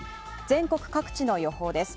全国各地の予報です。